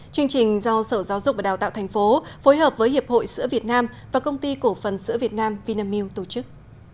chương trình do sở giáo dục và đào tạo thành phố phối hợp với hiệp hội sữa việt nam và công ty cổ phần sữa việt nam vinamilk tổ chức